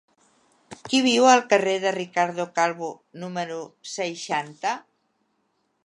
Qui viu al carrer de Ricardo Calvo número seixanta?